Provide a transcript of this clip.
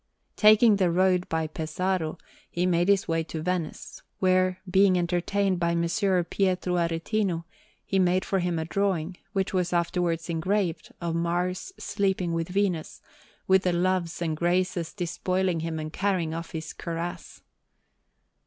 Taking the road by Pesaro, he made his way to Venice, where, being entertained by Messer Pietro Aretino, he made for him a drawing, which was afterwards engraved, of Mars sleeping with Venus, with the Loves and Graces despoiling him and carrying off his cuirass.